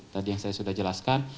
tadi yang saya sudah jelaskan